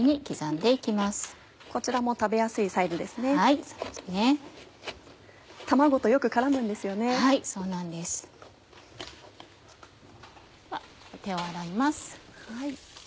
では手を洗います。